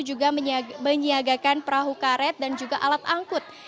juga menyiagakan perahu karet dan juga alat angkut